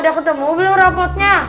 udah ketemu belum rapotnya